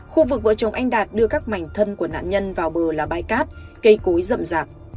khu vực vợ chồng anh đạt đưa các mảnh thân của nạn nhân vào bờ là bãi cát cây cối rậm rạp